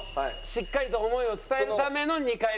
しっかりと想いを伝えるための２回目ね。